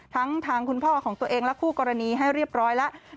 ทั้งทางคุณพ่อของตัวเองและคู่กรณีให้เรียบร้อยแล้ว